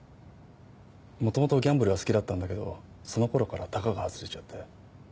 もともとギャンブルは好きだったんだけどそのころからたがが外れちゃって。